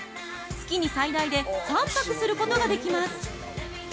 月に最大で３泊することができます。